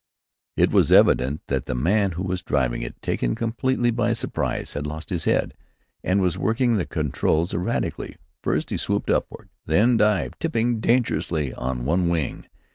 It was evident that the man who was driving it, taken completely by surprise, had lost his head, and was working the controls erratically. First he swooped upward, then dived, tipping dangerously on one wing.